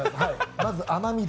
まず甘みで。